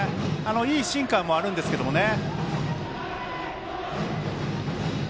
いいシンカーもあるんですけどね。